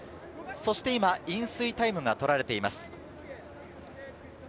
そして今、飲水タイムが取られています。